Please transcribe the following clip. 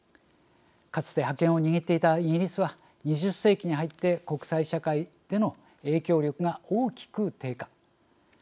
かつて覇権を握っていたイギリスは２０世紀に入って国際社会での影響力が大きく低下。